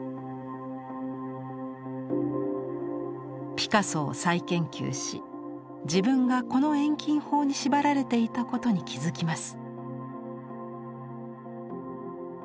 ピカソを再研究し自分がこの遠近法に縛られていたことに気付きます。